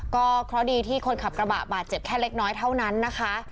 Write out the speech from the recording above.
เพราะดีที่คนขับกระบะบาดเจ็บแค่เล็กน้อยเท่านั้นนะคะ